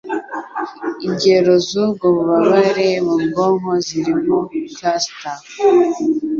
Ingero z'ubwo bubabare mu bwonko zirimo cluster